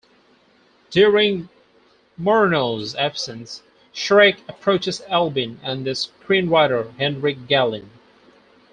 During Murnau's absence, Schreck approaches Albin and the screenwriter, Henrik Galeen.